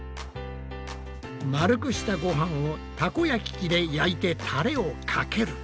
丸くしたごはんをたこ焼き器で焼いてタレをかける。